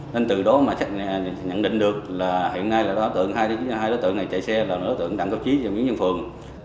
nên từ đó mà xác nhận định được là hiện nay là đối tượng hai đối tượng này chạy xe là đối tượng đặng cao trí và miếng nhân phường